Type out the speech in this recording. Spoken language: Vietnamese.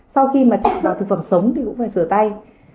sau khi mà chế biến bảo quản thực phẩm sống thì cũng phải sửa tay